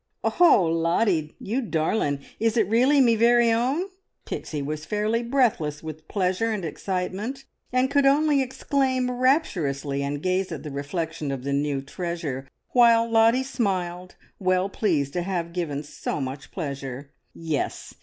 "Oh h, Lottie! You darlin'! Is it really me very own?" Pixie was fairly breathless with pleasure and excitement, and could only exclaim rapturously and gaze at the reflection of the new treasure, while Lottie smiled, well pleased to have given so much pleasure. Yes!